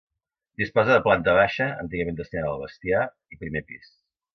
Disposa de planta baixa, antigament destinada al bestiar, i primer pis.